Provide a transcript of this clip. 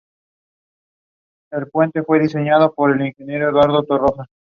Además de aves y colmenas.